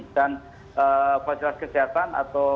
dan fasilitas kesehatan atau